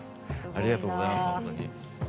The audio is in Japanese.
ありがとうございますほんとに。